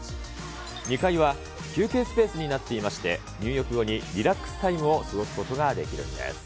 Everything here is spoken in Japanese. ２階は休憩スペースになっていまして、入浴後にリラックスタイムを過ごすことができるんです。